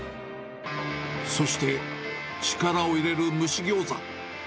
そして、力を入れる蒸しギョーザ。